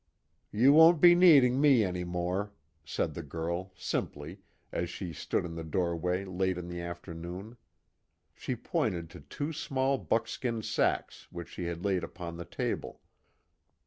"You won't be needing me any more," said the girl, simply, as she stood in the doorway late in the afternoon. She pointed to two small buckskin sacks which she had laid upon the table.